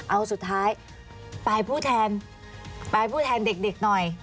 เอาสุดท้ายปลายผู้แทนไปผู้แทนเด็กหน่อย